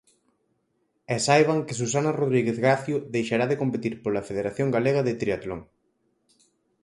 E saiban que Susana Rodríguez Gacio deixará de competir pola Federación Galega de Tríatlon.